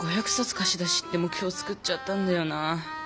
かし出しって目ひょう作っちゃったんだよなぁ。